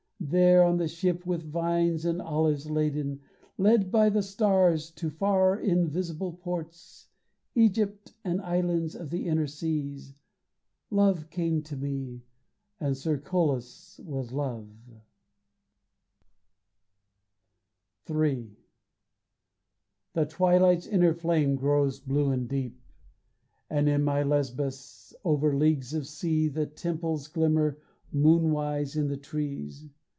There on the ship with wines and olives laden, Led by the stars to far invisible ports, Egypt and islands of the inner seas, Love came to me, and Cercolas was love. III ¹ ¹ From " Helen of Troy and Other Poems." The twilight's inner flame grows blue and deep, And in my Lesbos, over leagues of sea, The temples glimmer moon wise in the trees.